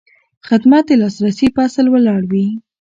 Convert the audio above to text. خدمت د لاسرسي په اصل ولاړ وي.